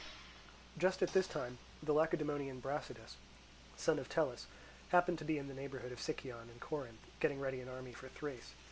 Just at this time the Lacedaemonian Brasidas, son of Tellis, happened to be in the neighbourhood of Sicyon and Corinth, getting ready an army for Thrace.